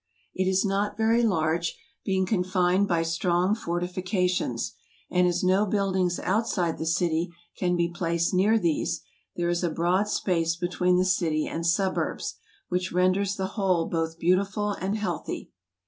6 * 66 POLAND. It is not very large, being confined by strong fortifications; and as no buildings outside the city can be placed near these, there is a broad space between the city and suburbs, which renders the whole both beautiful and healthy.